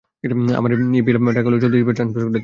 আমার পিইএল হিসাবের টাকাগুলো চলতি হিসাবে ট্রান্সফার করে দিন।